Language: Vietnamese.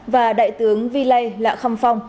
và đại tướng vi lây lạ khăm phong